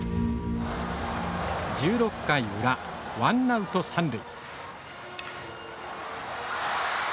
１６回裏、ワンアウト、三塁。